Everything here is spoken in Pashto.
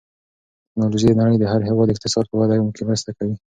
تکنالوژي د نړۍ د هر هېواد د اقتصاد په وده کې مرسته کوي.